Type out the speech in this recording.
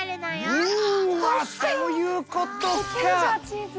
うわそういうことか。